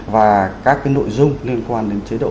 và các nội dung liên quan đến chế độ